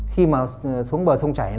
khi mà xuống bờ sông chảy